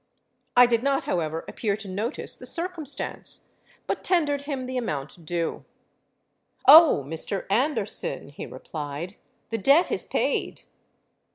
I did not however appear to notice the circumstance; but tendered him the amount due. 'Oh! Mr. Anderson,' he replied, 'the debt is paid.'